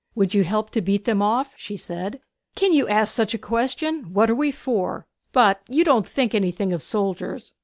'Would you help to beat them off?' said she. 'Can you ask such a question? What are we for? But you don't think anything of soldiers.'